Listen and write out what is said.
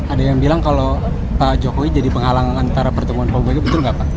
ada yang bilang kalau pak jokowi jadi penghalang antara pertemuan pak jokowi betul nggak pak